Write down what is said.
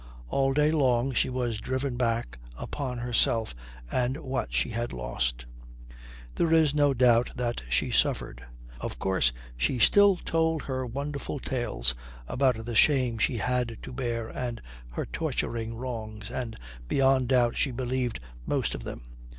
All day long she was driven back upon herself and what she had lost. There is no doubt that she suffered. Of course she still told her heart wonderful tales about the shame that she had to bear and her torturing wrongs, and beyond doubt she believed most of them.